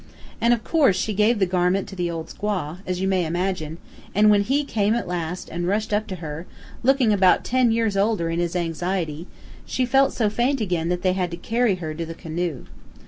And of course she gave the garment to the old squaw, as you may imagine, and when HE came at last and rushed up to her, looking about ten years older in his anxiety, she felt so faint again that they had to carry her to the canoe.